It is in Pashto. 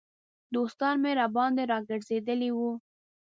دوستان مې راباندې را ګرځېدلي وو.